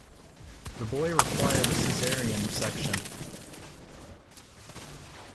The boy required a Caesarean section.